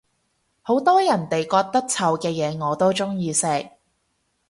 好多人哋覺得臭嘅嘢我都鍾意食